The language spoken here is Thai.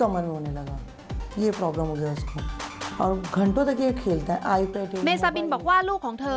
เมซาบินบอกว่าลูกของเธอ